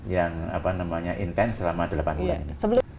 yang berhasil melalui threshold yang tinggi selama delapan bulan